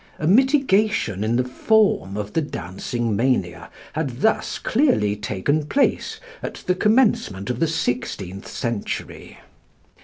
A mitigation in the form of the Dancing Mania had thus clearly taken place at the commencement of the sixteenth century.